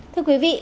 thưa quý vị